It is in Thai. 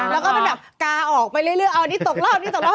แล้วก็เป็นแบบกาออกไปเรื่อยเอาอันนี้ตกรอบนี้ตกรอบ